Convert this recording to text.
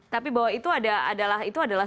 tapi bahwa itu adalah